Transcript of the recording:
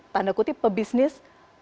tanda kutip pebisnis